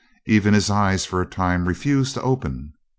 Even his eyes for a time refused to open.